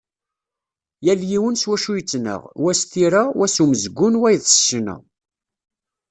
Yal yiwen s wacu yettnaɣ, wa s tira, wa s umezgun, wayeḍ s ccna.